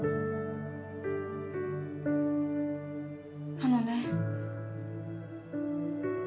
あのね。